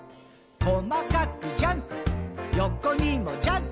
「こまかくジャンプ」「横にもジャンプ」